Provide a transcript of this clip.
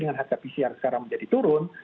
dengan harga pcr sekarang menjadi turun